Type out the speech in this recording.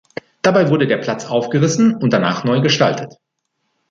Dabei wurde der Platz aufgerissen und danach neu gestaltet.